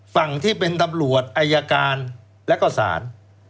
ฝั่งที่เป็นตำรวจอายการและก็ศาล